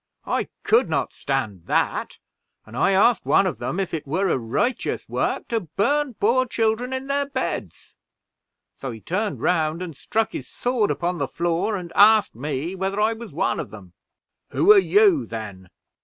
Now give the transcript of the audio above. I could not stand that, and I asked one of them if it were a righteous work to burn poor children in their beds? So he turned round, and struck his sword upon the floor, and asked me whether I was one of them 'Who are you, then?'